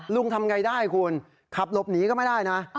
ทำไงได้คุณขับหลบหนีก็ไม่ได้นะ